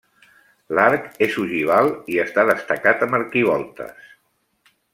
L'arc és ogival i està destacat amb arquivoltes.